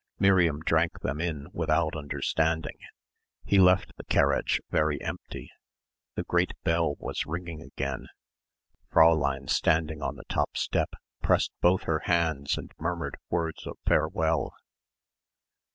Miriam drank them in without understanding. He left the carriage very empty. The great bell was ringing again. Fräulein standing on the top step pressed both her hands and murmured words of farewell.